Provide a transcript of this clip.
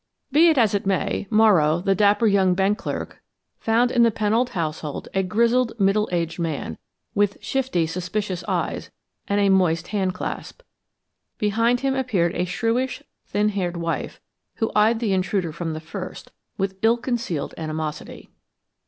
Be that as it may, Morrow, the dapper young bank clerk, found in the Pennold household a grizzled, middle aged man, with shifty, suspicious eyes and a moist hand clasp; behind him appeared a shrewish, thin haired wife who eyed the intruder from the first with ill concealed animosity.